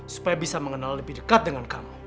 supaya bisa mengenal lebih dekat dengan kamu